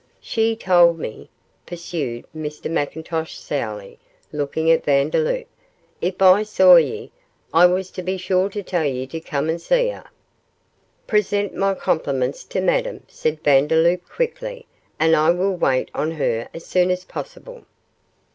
She tauld me,' pursued Mr McIntosh, sourly, looking at Vandeloup, 'if I saw ye I was to be sure to tell ye to come an' see her.' 'Present my compliments to Madame,' said Vandeloup, quickly, 'and I will wait on her as soon as possible.